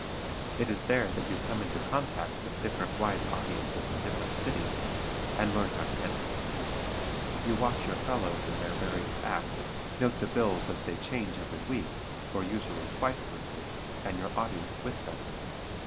It is there that you come in contact with different wise audiences in different cities and learn how to handle them. You watch your fellows in their various acts, note the bills as they change every week, or usually twice weekly, and your audience with them.